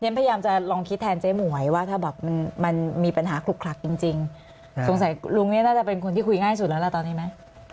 พยายามจะลองคิดแทนเจ๊หมวยว่าถ้าแบบมันมีปัญหาขลุกคลักจริงสงสัยลุงนี่น่าจะเป็นคนที่คุยง่ายสุดแล้วนะตอนนี้ไหม